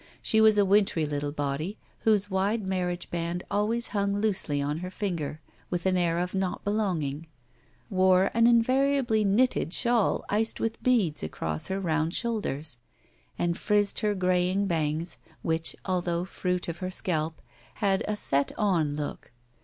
She was a wintry little body whose wide marriage band always hung loosely on her finger with an air of not belong ing; wore an invariable knitted shawl iced with beads across her round shoulders, and frizzed her grajdng bangs, which, although fruit of her scalp, had a set on look.